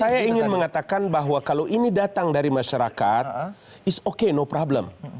saya ingin mengatakan bahwa kalau ini datang dari masyarakat it's okay no problem